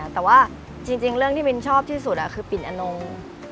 แต่ว่าจริงเรื่องที่มินชอบที่สุดคือปิ่นอนง